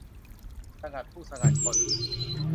สงัดผู้สงัดคน